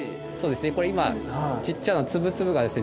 これ今ちっちゃなつぶつぶがですね